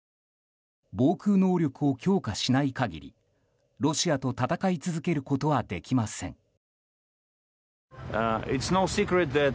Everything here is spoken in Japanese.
防空能力を強化しない限りロシアと戦い続けることはできません。